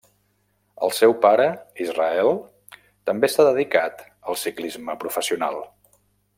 El seu pare Israel també s'ha dedicat al ciclisme professional.